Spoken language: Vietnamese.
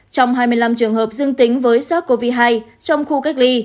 trong hai mươi năm trường hợp dương tính với sars cov hai trong khu cách ly